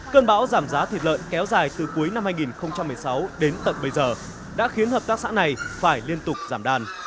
cơn bão giảm giá thịt lợn kéo dài từ cuối năm hai nghìn một mươi sáu đến tận bây giờ đã khiến hợp tác xã này phải liên tục giảm đàn